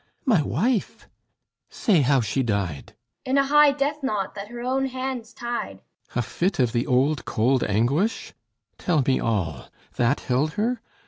My wife? ... Say how she died. LEADER In a high death knot that her own hands tied. THESEUS A fit of the old cold anguish? Tell me all That held her?